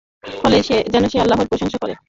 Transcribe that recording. ফলে যেন সে আল্লাহর প্রশংসা করে।